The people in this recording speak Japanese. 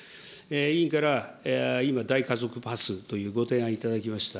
委員から今、大家族パスというご提案いただきました。